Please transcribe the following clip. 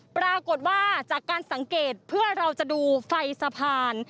ปรากฏว่าจากการสังเกตเพื่อเราจะดูไฟสะพาน